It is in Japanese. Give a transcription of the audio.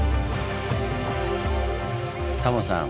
タモさん